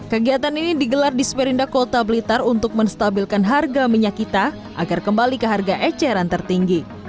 kegiatan ini digelar di sperinda kota blitar untuk menstabilkan harga minyak kita agar kembali ke harga eceran tertinggi